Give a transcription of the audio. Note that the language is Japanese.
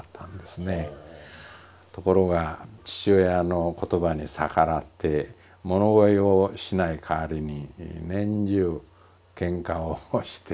ところが父親の言葉に逆らって物乞いをしないかわりに年中ケンカをして帰ってくると。